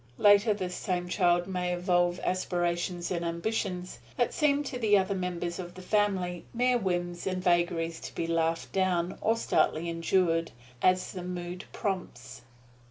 Later this same child may evolve aspirations and ambitions that seem to the other members of the family mere whims and vagaries to be laughed down, or stoutly endured, as the mood prompts.